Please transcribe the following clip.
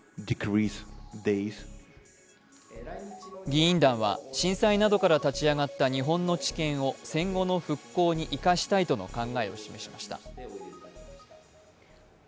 議員団は震災などから立ち上がった日本の知見を、戦後の復興に生かしたいとの考えを示しました。